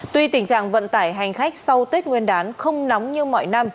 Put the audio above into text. tuy tình trạng vận tải hành khách sau tết nguyên đán không nóng như mọi năm